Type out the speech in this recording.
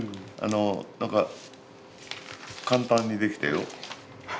何か簡単に出来たよ。